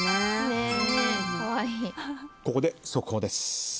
ここで速報です。